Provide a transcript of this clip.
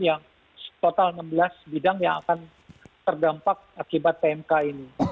yang total enam belas bidang yang akan terdampak akibat pmk ini